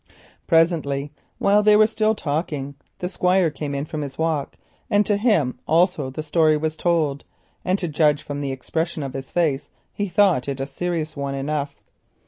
Presently, while they were still talking, the Squire came in from his walk. To him also the story was told, and to judge from the expression of his face he thought it grave enough.